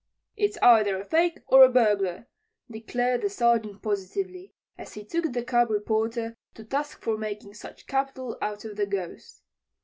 "It's either a 'fake' or a burglar," declared the Sergeant positively, as he took the "cub" reporter to task for making such capital out of the Ghost.